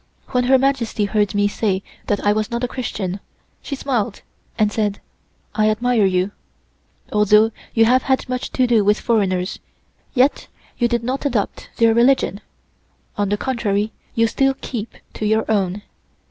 When Her Majesty heard me say that I was not a Christian, she smiled and said: "I admire you; although you have had so much to do with foreigners, yet you did not adopt their religion. On the contrary, you still keep to your own.